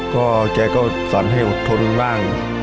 พ่อไก่ก็สอนให้อดทนบ้าง